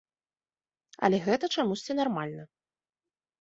Але гэта чамусьці нармальна.